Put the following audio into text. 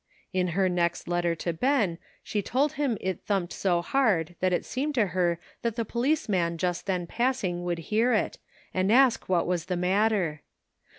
In her next letter to Ben she told him it thumped so hard that it seemed to her that the policeman just then passing would hear it, and ask what was the matter.